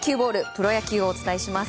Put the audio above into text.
プロ野球をお伝えします。